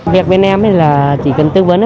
việc bên em thì là chỉ cần tư vấn